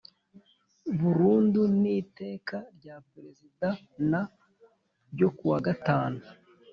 burundu n Iteka rya Perezida n ryo ku wa gatanu